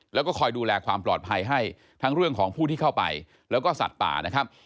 แล้วก็คอยดูแลความปลอดภัยให้ทั้งเรื่องของผู้ที่เข้าไปแล้วก็สัตว์ป่านะครับ